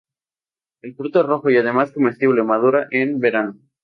El fruto es rojo y además comestible; madura en verano.